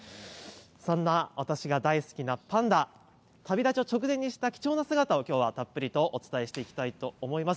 そんな私が大好きなパンダ旅立ちを直前にした貴重な姿を今日はたっぷりお伝えしていきたいと思います。